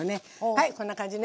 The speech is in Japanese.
はいこんな感じね。